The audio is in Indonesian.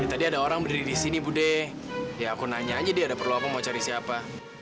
ya tadi ada orang berdiri disini bu de ya aku nanya aja deh ada perlu apa mau cari siapa